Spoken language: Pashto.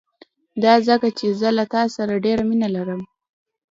دا ځکه چې زه له تا سره ډېره مينه لرم.